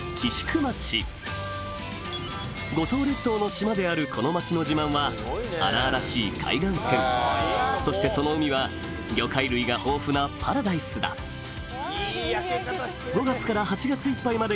五島列島の島であるこの町の自慢は荒々しい海岸線そしてその海は魚介類が豊富なパラダイスだ５月から８月いっぱいまでが漁期となる